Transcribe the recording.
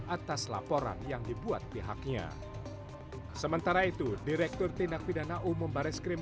atas laporan yang dibuat pihaknya sementara itu direktur tindak pidana umum baris krim